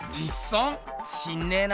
知んねえな。